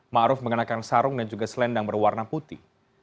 ma'ruf mengenakan sarung dan juga selendang berwarna putih